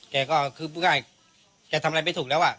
แกก็คือพูดง่ายแกทำอะไรไม่ถูกแล้ว